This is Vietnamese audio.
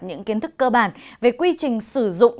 những kiến thức cơ bản về quy trình sử dụng